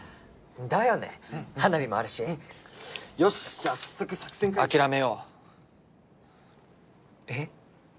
花火もあるしよしじゃあ早速作戦会議諦めようえっ？